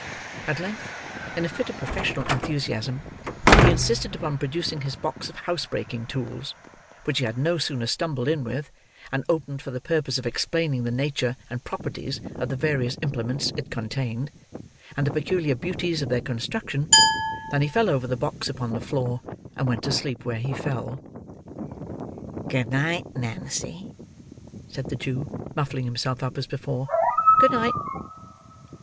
At length, in a fit of professional enthusiasm, he insisted upon producing his box of housebreaking tools: which he had no sooner stumbled in with, and opened for the purpose of explaining the nature and properties of the various implements it contained, and the peculiar beauties of their construction, than he fell over the box upon the floor, and went to sleep where he fell. "Good night, Nancy," said the Jew, muffling himself up as before. "Good night."